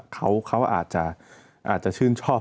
เขาอาจจะชื่นชอบ